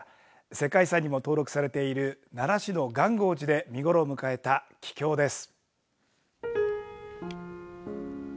世界遺産にも登録されている奈良市の元興寺で見頃を迎えたキキョウです。